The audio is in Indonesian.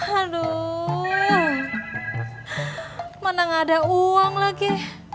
halo mana gak ada uang lagi